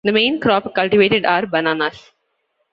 The main crop cultivated are bananas.